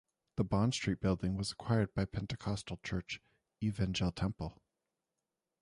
The Bond Street building was acquired by a pentecostal Church, "Evangel Temple".